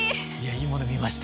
いいもの見ました。